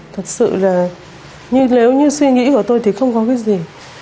thật sự là như nếu như suy nghĩ của tôi thì không có cái gì